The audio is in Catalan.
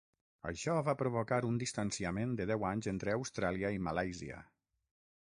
Això va provocar un distanciament de deu anys entre Austràlia i Malàisia.